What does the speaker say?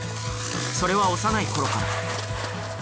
それは幼い頃から。